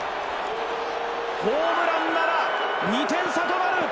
ホームランなら２点差となる。